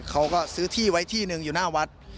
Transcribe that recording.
เขาก็ซื้อที่ไว้ที่หนึ่งอยู่หน้าวัด